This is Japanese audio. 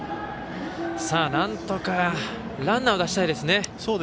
なんとかランナーを出したいですね。